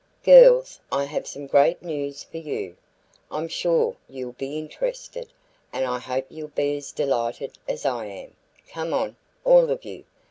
"Girls, I have some great news for you. I'm sure you'll be interested, and I hope you'll be as delighted as I am. Come on, all of you.